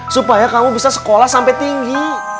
supaya kamu bisa sekolah sampai tinggi